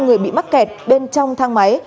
người bị mắc kẹt bên trong thang máy